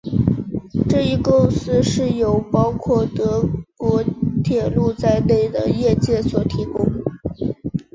这一构思是由包括德国铁路在内的业界所提供。